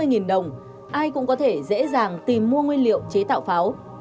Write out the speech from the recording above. chỉ từ hai mươi đồng ai cũng có thể dễ dàng tìm mua nguyên liệu chế tạo pháo